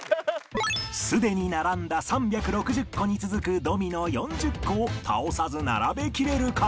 すでに並んだ３６０個に続くドミノ４０個を倒さず並べきれるか？